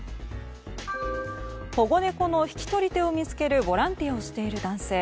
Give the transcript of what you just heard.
保護猫の引き取り手を見つけるボランティアをしている男性。